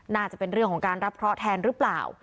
น่าจะเป็นเรื่องของการรับเคราะห์แทนหรือเปล่า